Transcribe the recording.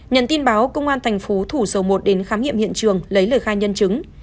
nhận tin báo công an tp thủ dấu một đến khám nghiệm hiện trường lấy lời khai nhân chứng